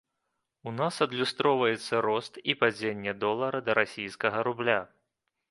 У нас адлюстроўваецца рост і падзенне долара да расійскага рубля.